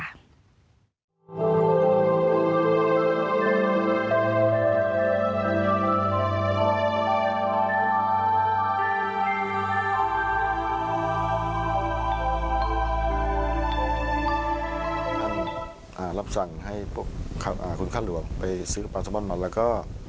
ท่านอ่ารับสั่งให้พวกค่าคุณค่าหลวงไปซื้อปลาสมนตร์หมดแล้วก็